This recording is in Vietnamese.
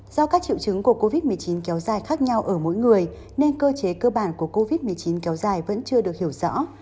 do các triệu chứng của covid một mươi chín kéo dài khác nhau ở mỗi người nên cơ chế cơ bản của covid một mươi chín kéo dài vẫn chưa được hiểu rõ